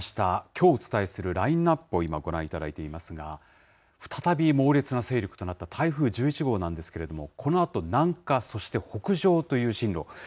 きょうお伝えするラインナップを今、ご覧いただいていますが、再び猛烈な勢力となった台風１１号なんですけれども、このあと南下、そして北上という進路。